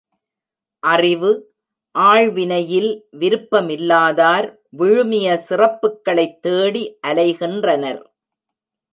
அறிவு, ஆள்வினையில் விருப்பமில்லாதார் விழுமிய சிறப்புக்களைத் தேடி அலைகின்றனர்.